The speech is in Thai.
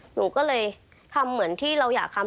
หนูก็เลยทำเหมือนที่เราอยากทำ